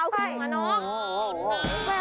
แม่มุนเลยค่ะ